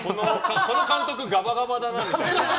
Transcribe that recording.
この監督がばがばだなみたいな。